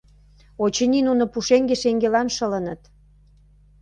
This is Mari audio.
Очыни, нуно пушеҥге шеҥгелан шылыныт.